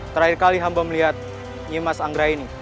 terakhir kali hamba melihat nyimas anggraini